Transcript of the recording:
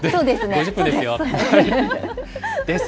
５０分ですよ。です。